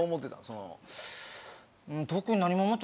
その。